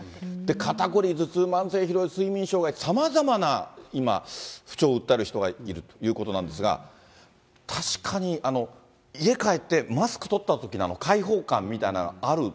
肩凝り、頭痛、慢性疲労、睡眠障害、さまざまな、今、不調を訴える人がいるということなんですが、確かに、家帰ってマスク取ったときの解放感みたいなのある。